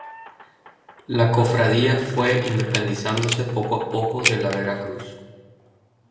La Cofradía fue independizándose poco a poco de la Vera Cruz.